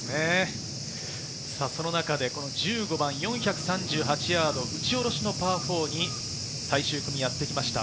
その中で１５番４３８ヤード、打ち下ろしのパー４に最終組にやってきました。